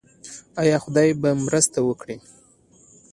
آیا خدای به مرسته وکړي؟